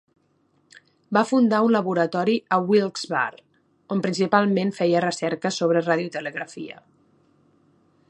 Va fundar un laboratori a Wilkes-Barre, on principalment feia recerques sobre radiotelegrafia.